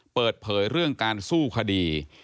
เปิดเผยเรื่องการสู้คดี